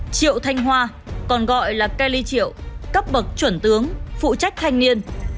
triệu thanh hoa còn gọi là kelly triệu cấp bậc chuẩn tướng phụ trách thanh niên